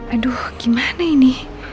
aduh gimana ini